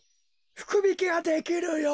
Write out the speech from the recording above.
ふくびきができるよ。